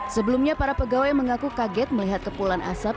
sebelumnya para pegawai mengaku kaget melihat kepulan asap